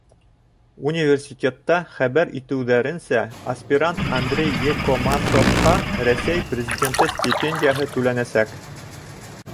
Университетта хәбәр итеүҙәренсә, аспирант Андрей Екомасовҡа Рәсәй Президенты стипендияһы түләнәсәк.